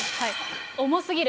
重すぎる。